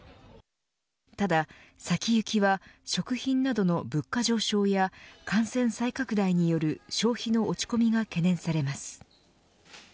ただ先行きは食品などの物価上昇や感染再拡大による消費の落ち込みが懸念されます。